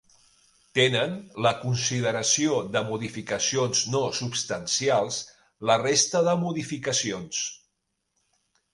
Tenen la consideració de modificacions no substancials la resta de modificacions.